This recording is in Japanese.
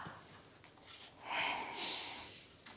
へえ。